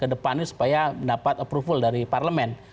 kedepannya supaya mendapat approval dari parlemen